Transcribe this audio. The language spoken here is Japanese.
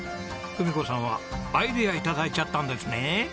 文子さんはアイデア頂いちゃったんですね。